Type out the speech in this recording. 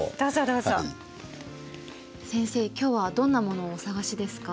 今日はどんなものをお探しですか？